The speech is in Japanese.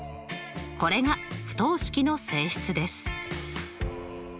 これが不等式の性質です。